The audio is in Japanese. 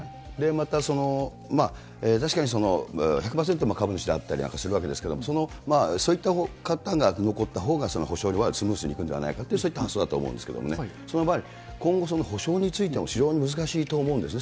また、確かに１００％の株主であったりするわけですけれども、そういった方が残ったほうが、補償のほうはスムーズにいくんではないかというそういった発想だと思うんですけれどもね、その場合、今後、その補償について、非常に難しいと思うんですね。